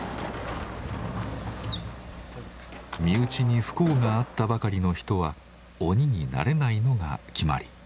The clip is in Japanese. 身内に不幸があったばかりの人は鬼になれないのが決まり。